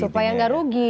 supaya tidak rugi